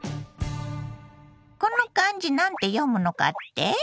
この漢字なんて読むのかって？